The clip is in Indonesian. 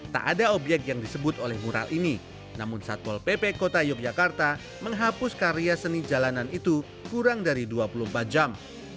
tak ada obyek yang disebut oleh mural ini namun satpol pp kota yogyakarta menghapus karya seni jalanan itu kurang dari dua puluh empat jam